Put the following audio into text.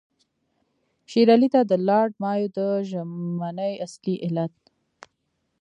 شېر علي ته د لارډ مایو د ژمنې اصلي علت.